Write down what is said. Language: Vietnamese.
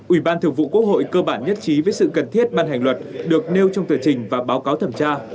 ủy ban thường vụ quốc hội cơ bản nhất trí với sự cần thiết ban hành luật được nêu trong tờ trình và báo cáo thẩm tra